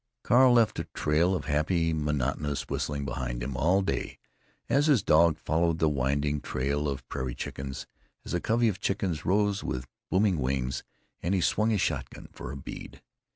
Carl left a trail of happy, monotonous whistling behind him all day, as his dog followed the winding trail of prairie chickens, as a covey of chickens rose with booming wings and he swung his shotgun for a bead.